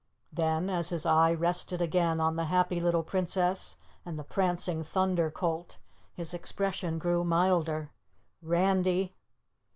Then as his eye rested again on the happy little Princess and the prancing Thunder Colt, his expression grew milder. "Randy!